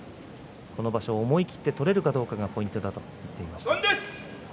この場所、思い切って取れるかどうかがポイントだということです。